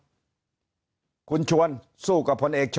เพราะสุดท้ายก็นำไปสู่การยุบสภา